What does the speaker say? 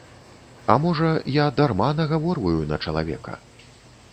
А можа, я дарма нагаворваю на чалавека.